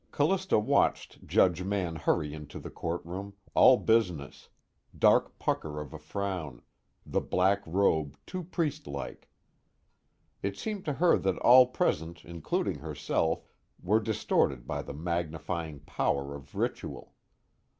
Callista watched Judge Mann hurry into the courtroom, all business, dark pucker of a frown, the black robe too priestlike. It seemed to her that all present including herself were distorted by the magnifying power of ritual.